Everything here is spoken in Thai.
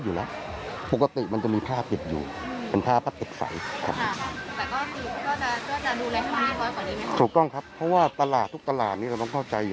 ถูกต้องครับเพราะว่าตลาดทุกตลาดนี้เราต้องเข้าใจอยู่